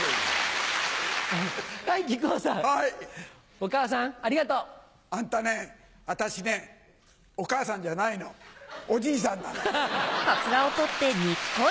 お母さんありがとう。あんたね私ねお母さんじゃないのおじいさんなの。